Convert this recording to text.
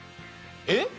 えっ？